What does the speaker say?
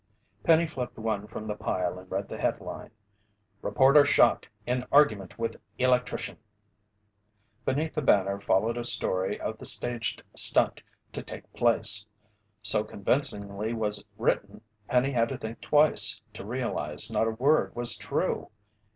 Penny flipped one from the pile and read the headline: "REPORTER SHOT IN ARGUMENT WITH ELECTRICIAN!" Beneath the banner followed a story of the staged stunt to take place. So convincingly was it written, Penny had to think twice to realize not a word was true.